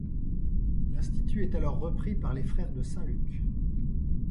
L'institut est alors repris par les frères de Saint-Luc.